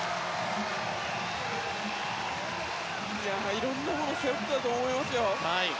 いろんなものを背負っていたと思いますよ。